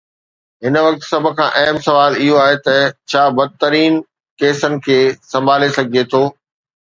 هن وقت سڀ کان اهم سوال اهو آهي ته ڇا بدترين ڪيسن کي سنڀالي سگهجي ٿو.